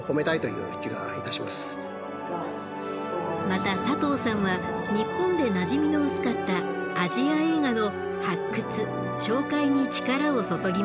また佐藤さんは日本でなじみの薄かったアジア映画の発掘・紹介に力を注ぎました。